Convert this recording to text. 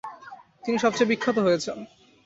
তিনি সবচেয়ে বিখ্যাত হয়েছেন।